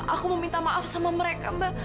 aku mau minta maaf sama mereka mbak